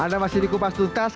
anda masih di kupas tuntas